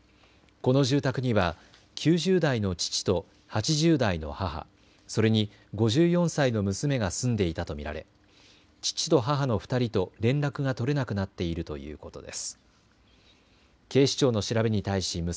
この住宅には９０代の父と８０代の母、それに５４歳の娘が住んでいたと見られ父と母の２人と連絡が取れなくなっているということです。